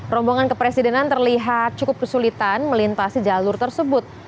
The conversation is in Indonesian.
rombongan ke presidenan terlihat cukup kesulitan melintasi jalur tersebut